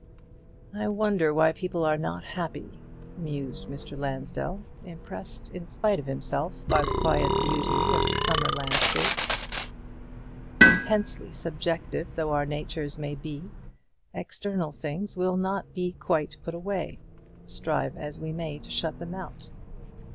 "I wonder why people are not happy," mused Mr. Lansdell, impressed in spite of himself by the quiet beauty of the summer landscape. Intensely subjective though our natures may be, external things will not be quite put away, strive as we may to shut them out.